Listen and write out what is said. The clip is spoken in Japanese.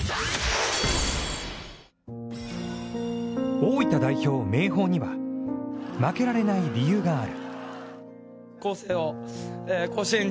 大分代表・明豊には負けられない理由がある。